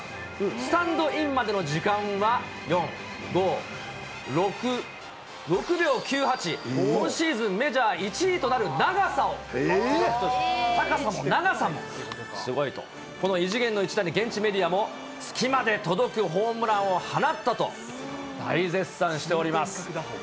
スタンドインまでの時間は４、５、６、６秒９８、今シーズンメジャー１位となる長さを、高さも長さもすごいと、この異次元の一打で現地メディアも、月まで届くホームランを放ったと、大絶賛しております。